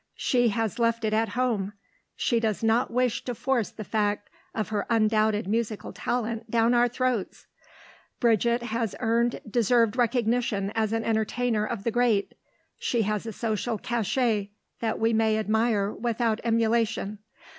She has left it at home; she does not wish to force the fact of her undoubted musical talent down our throats. Bridget has earned deserved recognition as an entertainer of the great; she has a social cachet that we may admire without emulation.